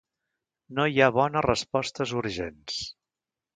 No hi ha bones respostes urgents.